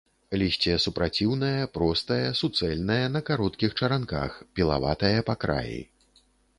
Лісце супраціўнае, простае, суцэльнае, на кароткіх чаранках, пілаватае па краі.